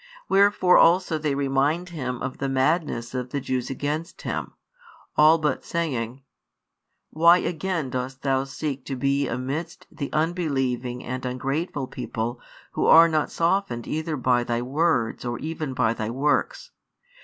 Wherefore also they remind Him of the madness of the Jews against Him, all but saying: "Why again dost Thou seek to be amidst the unbelieving and ungrateful people who are not softened either by Thy words or even by Thy works?